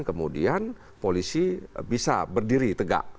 kemudian polisi bisa berdiri tegak